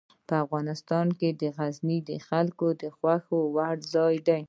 افغانستان کې غزني د خلکو د خوښې وړ ځای دی.